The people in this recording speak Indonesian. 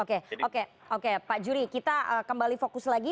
oke oke oke pak jury kita kembali fokus lagi